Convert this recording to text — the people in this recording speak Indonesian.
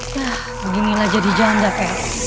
beginilah jadi janda pe